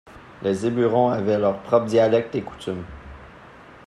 Les Eburons avaient leurs propre dialecte et coutumes.